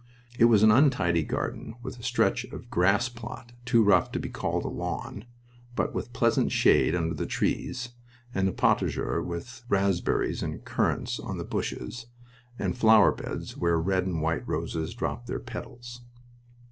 It was an untidy garden, with a stretch of grass plot too rough to be called a lawn, but with pleasant shade under the trees, and a potager with raspberries and currants on the bushes, and flower beds where red and white roses dropped their petals.